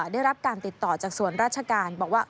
ได้รับการติดต่อจากส่วนราชการบอกว่า